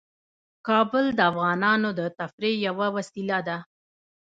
کابل د افغانانو د تفریح یوه وسیله ده.